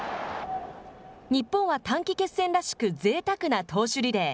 日本は短期決戦らしく、ぜいたくな投手リレー。